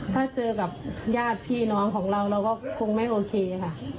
ถ้าเจอกับญาติพี่น้องของเราเราก็คงไม่โอเคค่ะ